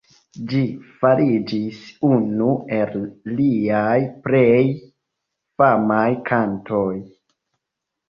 Ĝi fariĝis unu el liaj plej famaj kantoj.